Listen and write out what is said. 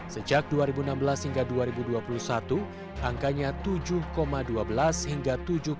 sejak dua ribu enam belas hingga dua ribu dua puluh satu angkanya tujuh dua belas hingga tujuh lima